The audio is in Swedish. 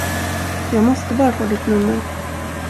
Jag måste bara få ditt nummer.